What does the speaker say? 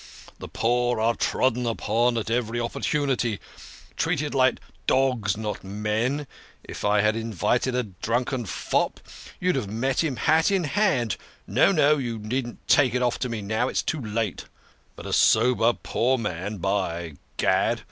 The poor are trodden upon at every opportunity, treated like dogs, not men. If I had invited a drunken fop, you'd have met him hat in hand (no, no, you needn't take it off to me now ; it's too late). But a sober, poor man by gad